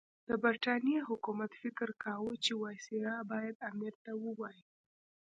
د برټانیې حکومت فکر کاوه چې وایسرا باید امیر ته ووايي.